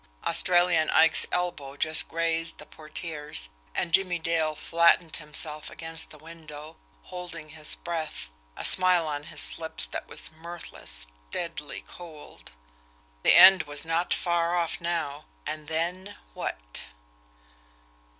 Australian Ike's elbow just grazed the portieres, and Jimmie Dale flattened himself against the window, holding his breath a smile on his lips that was mirthless, deadly, cold. The end was not far off now; and then WHAT?